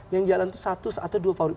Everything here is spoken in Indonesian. yang jalan itu satu atau dua fauzi